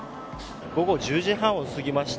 午後１０時半を過ぎました